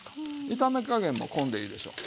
炒め加減もこんでいいでしょ。